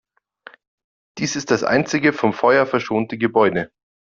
Dies ist das einzige vom Feuer verschonte Gebäude.